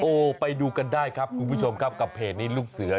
โอ้โหไปดูกันได้ครับคุณผู้ชมครับกับเพจนี้ลูกเสือ